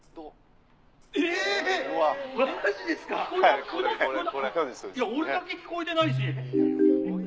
いや俺だけ聞こえてないし。